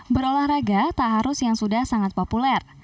berolahraga tak harus yang sudah sangat populer